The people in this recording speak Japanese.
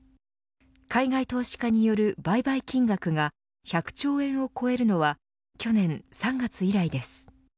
海外投資家による売買金額が１００兆円を超えるのは去年３月以来です。